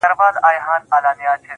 زه به يې ياد يم که نه.